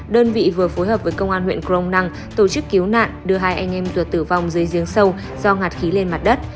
đơn vị vừa phối hợp với công an huyện crong năng tổ chức cứu nạn đưa hai anh em ruột tử vong dưới giếng sâu do ngạt khí lên mặt đất